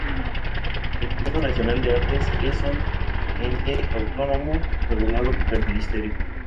El Consejo nacional de artes es un ente autónomo regulado por el Ministerio.